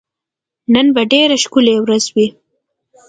نن به ډېره ښکلی ورځ وي